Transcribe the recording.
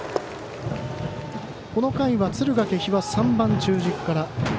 この回は敦賀気比は３番中軸から。